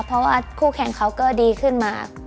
เพราะว่าคู่แข่งเขาก็ดีขึ้นมา